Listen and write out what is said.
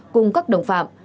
cùng các đồng phạm